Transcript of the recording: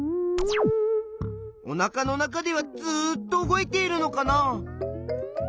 おなかの中ではずっと動いているのかな？